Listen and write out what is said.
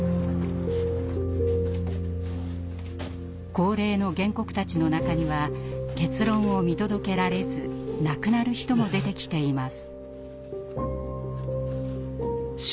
高齢の原告たちの中には結論を見届けられず亡くなる人も出てきています。